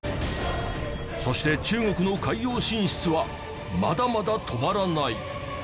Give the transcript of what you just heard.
そして中国の海洋進出はまだまだ止まらない！